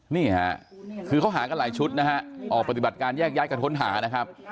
นี่ค่ะคือเขาหากันหลายชุดนะฮะออกปฏิบัติการแยกย้ายกระค้นหานะครับ